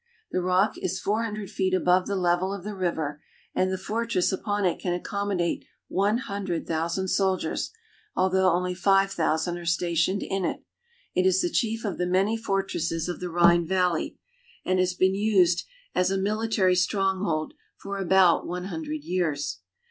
The rock is four hun dred feet above the level of the river, and the fortress upon it can accommodate one hundred thousand soldiers, although only five thousand are stationed in it. It is the chief of the many fortresses of the Rhine Valley, and has been used as a military stronghold for about one hundred years.